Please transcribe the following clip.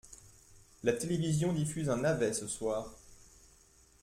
La télévision diffuse un navet ce soir.